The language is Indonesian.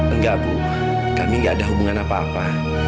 enggak bu kami nggak ada hubungan apa apa